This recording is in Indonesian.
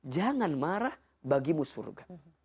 jangan marah bagimu surga